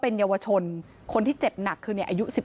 เหตุการณ์เกิดขึ้นแถวคลองแปดลำลูกกา